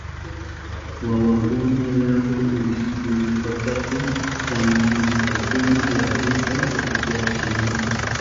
Wawakuna yaku wishihushkapi kantishpankuna yakuta susyachinahun.